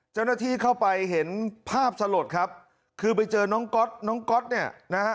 เจ้าหน้าที่เข้าไปเห็นภาพสลดครับคือไปเจอน้องก๊อตน้องก๊อตเนี่ยนะฮะ